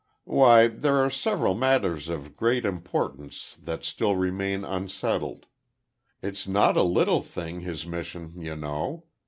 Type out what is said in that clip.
"Why, there are several matters of great importance that still remain unsettled. It's not a little thing, his mission, you know.